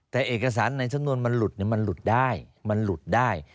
แต่เอกสารในส่วนมันหลุดมันหลุดได้